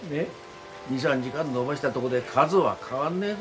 ２３時間延ばしたどごで数は変わんねえぞ。